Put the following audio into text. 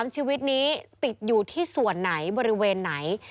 ๓ชีวิตนี้ติดอยู่ที่ส่วนไหนบริเวณไหน